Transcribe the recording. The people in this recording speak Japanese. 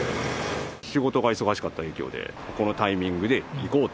仕事が忙しかった影響で、ここのタイミングで行こうと。